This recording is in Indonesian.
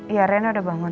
iya rena udah bangun